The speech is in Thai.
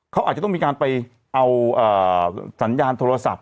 เขาอาจจะต้องมีการไปเอาสัญญาณโทรศัพท์